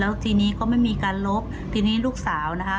แล้วทีนี้ก็ไม่มีการลบทีนี้ลูกสาวนะคะ